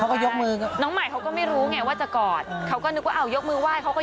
เขาก็นือว่ายก็ยกมือว่ายเขาก็ยกมือว่ายด้วยอะไรแบบนี้